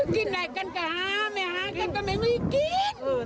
กินไหนกันก็ห้ามอย่างไม่หากันก็ไม่มีกิน